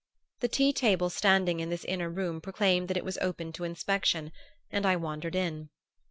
The tea table standing in this inner room proclaimed that it was open to inspection, and I wandered in.